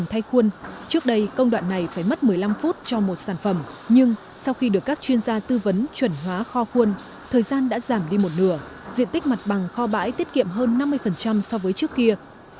trước đây công đoạn này phải mất một mươi năm phút cho một sản phẩm nhưng sau khi được các chuyên gia tư vấn chuẩn hóa kho khuôn thời gian đã giảm đi một nửa diện tích mặt bằng kho bãi tiết kiệm hơn năm mươi so với trước kia